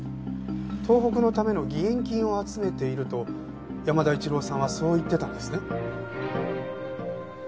東北のための義援金を集めていると山田一郎さんはそう言ってたんですね？